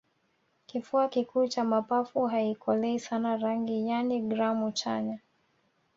kifua kikuu cha mapafu haikolei sana rangi yaani gramu chanya